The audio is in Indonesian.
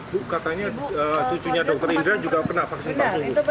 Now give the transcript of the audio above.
bu katanya cucunya dr indra juga pernah vaksin palsu